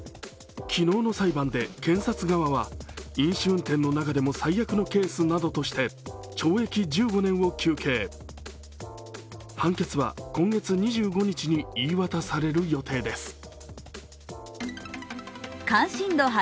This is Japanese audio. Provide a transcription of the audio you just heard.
昨日の裁判で検察側は飲酒運転の中でも最悪のケ−スなどとして懲役１５年を求刑、判決は今月２５日に言い渡される予定です。